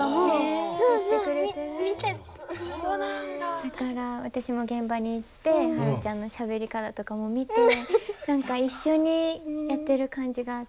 だから私も現場に行って芭路ちゃんのしゃべり方とかも見て何か一緒にやってる感じがあって。